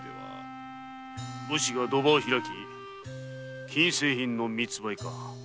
武士が賭場を開き禁制品の密売か。